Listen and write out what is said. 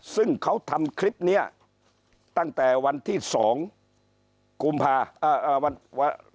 ซึ่งเขาทำคลิปเนี้ยตั้งแต่วันที่สองกุมภาคมอ่าอ่าวันวัน